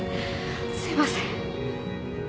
すいません。